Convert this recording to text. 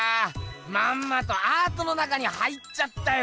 まんまとアートの中に入っちゃったよ！